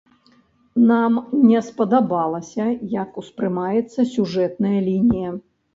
Нам не спадабалася, як успрымаецца сюжэтная лінія.